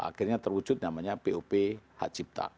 akhirnya terwujud namanya pop hak cipta